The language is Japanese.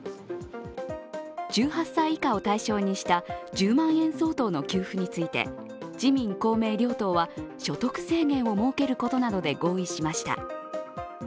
１８歳以下を対象にした１０万円相当の給付について、自民・公明両党は所得制限を設けることなどで合意しました。